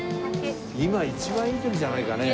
今一番いい時じゃないかね？